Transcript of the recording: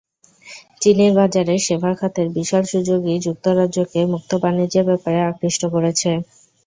চীনের বাজারে সেবা খাতের বিশাল সুযোগই যুক্তরাজ্যকে মুক্তবাণিজ্যের ব্যাপারে আকৃষ্ট করেছে।